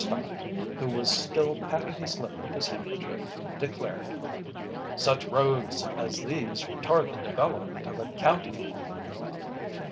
Stott, who was still patting his lip with his handkerchief, declared: "Such roads as these retard the development of a county."